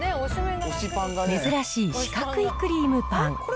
珍しい四角いクリームパン。